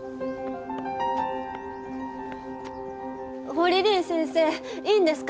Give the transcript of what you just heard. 堀凛先生いいんですか？